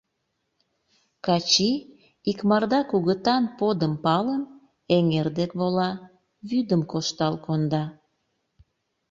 Качи, икмарда кугытан подым палын, эҥер дек вола, вӱдым коштал конда.